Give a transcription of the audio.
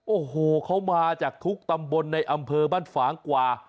โอ้โหเขามาจากทุกตำบลในอำเภอบ้านฝางกว่า